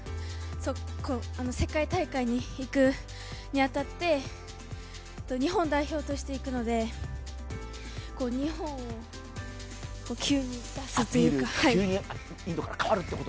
世界大会にいくに当たって日本代表として行くので、日本を急に出すというか。